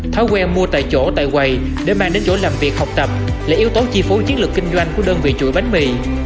thói quen mua tại chỗ tại quầy để mang đến chỗ làm việc học tập là yếu tố chi phối chiến lược kinh doanh của đơn vị chuỗi bánh mì